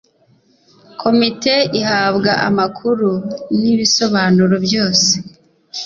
komite ihabwa amakuru n ibisobanuro byose